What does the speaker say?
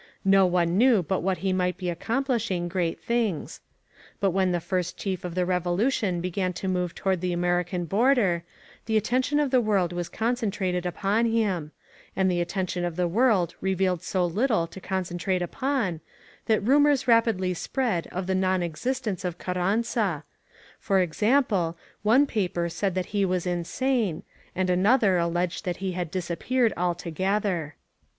No one knew but what he might be accomplishing great things. But when the First Chief of the Revolution began to move toward the American border, the attention of the world was con centrated upon him; and the attention of the world revealed so little to concentrate upon, that rumors rapidly spread of the non existence of Carranza; for example, one paper said that he was insane, and an other alleged that he had disappeared altogether.